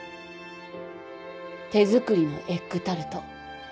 手作りのエッグタルト。